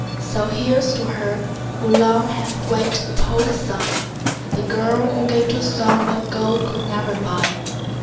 So here's to her, who long Hath waked the poet's sigh, The girl, who gave to song What gold could never buy.